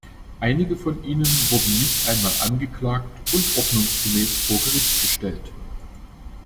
Einige von ihnen wurden nicht einmal angeklagt und ordnungsgemäß vor Gericht gestellt.